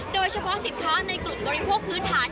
โดยเฉพาะสินค้าในกลุ่มบริโภคพื้นฐาน